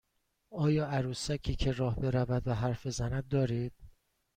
آیا عروسکی که راه برود و حرف بزند دارید؟